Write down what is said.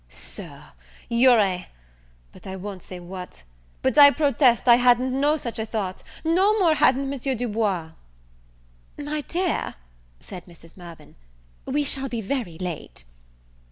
"Sir, you're a but I won't say what; but I protest I hadn't no such a thought, no more hadn't Monsieur Du Bois." "My dear," said Mrs. Mirvan, "we shall be very late."